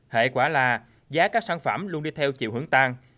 hệ quả là giá các sản phẩm luôn đi theo chiều hướng tăng